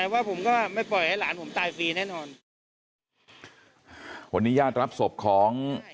วันนี้ญาติรับศพของ